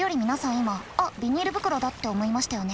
今あっビニール袋だって思いましたよね？